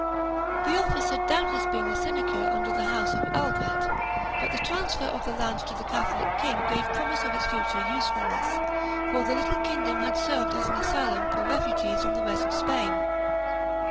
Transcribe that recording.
The office had doubtless been a sinecure under the House of Albret, but the transfer of the land to the Catholic king gave promise of its future useful ness, for the little kingdom had served as an asylum for refugees from the rest of Spain.